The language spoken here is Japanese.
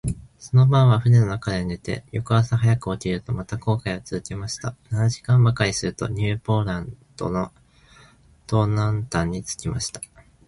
その晩は舟の中で寝て、翌朝早く起きると、また航海をつづけました。七時間ばかりすると、ニューポランドの東南端に着きました。